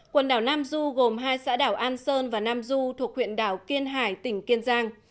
quần đảo nam du gồm hai xã đảo an sơn và nam du thuộc huyện đảo kiên hải tỉnh kiên giang